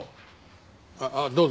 あどうぞ。